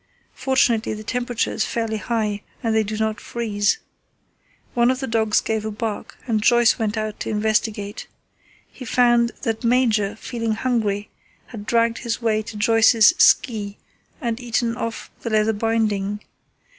Fortunately, the temperature is fairly high and they do not freeze. One of the dogs gave a bark and Joyce went out to investigate. He found that Major, feeling hungry, had dragged his way to Joyce's ski and eaten off the leather binding.